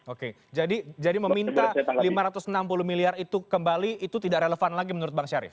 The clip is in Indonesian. oke jadi meminta lima ratus enam puluh miliar itu kembali itu tidak relevan lagi menurut bang syarif